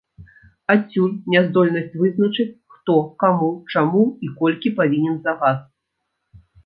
Адсюль няздольнасць вызначыць, хто, каму, чаму і колькі павінен за газ.